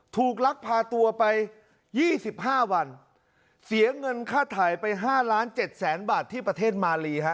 ลักพาตัวไป๒๕วันเสียเงินค่าถ่ายไป๕ล้าน๗แสนบาทที่ประเทศมาลีฮะ